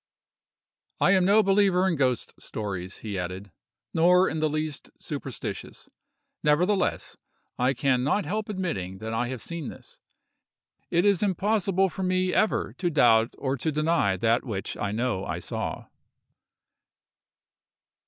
"I am no believer in ghost stories," he added, "nor in the least superstitious; nevertheless, I can not help admitting that I have seen this: it is impossible for me ever to doubt or to deny that which I know I saw."